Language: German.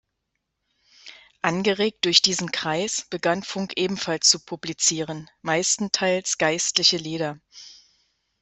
Angeregt durch diesen Kreis, begann Funk ebenfalls zu publizieren, meistenteils geistliche Lieder.